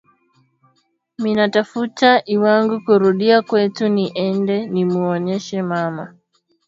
Mina tafuta lwangu ku rudia kwetu ni ende nimu oneshe mama